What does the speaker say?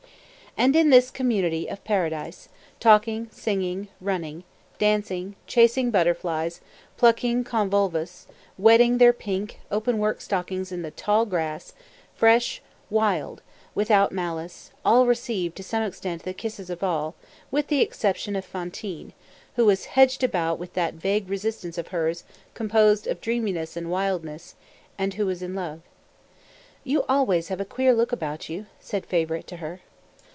And in this community of Paradise, talking, singing, running, dancing, chasing butterflies, plucking convolvulus, wetting their pink, open work stockings in the tall grass, fresh, wild, without malice, all received, to some extent, the kisses of all, with the exception of Fantine, who was hedged about with that vague resistance of hers composed of dreaminess and wildness, and who was in love. "You always have a queer look about you," said Favourite to her.